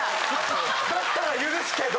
だったら許すけど。